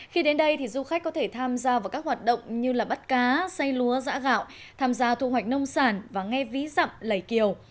khi đến đây thì du khách có thể tham gia vào các hoạt động như bắt cá xây lúa giã gạo tham gia thu hoạch nông sản và nghe ví dặm lầy kiều